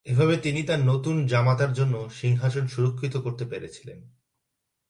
এভাবে তিনি তার নতুন জামাতার জন্য সিংহাসন সুরক্ষিত করতে পেরেছিলেন।